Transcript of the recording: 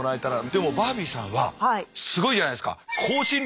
でもバービーさんはすごいじゃないですか。